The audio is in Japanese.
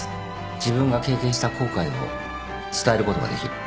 自分が経験した後悔を伝えることができる。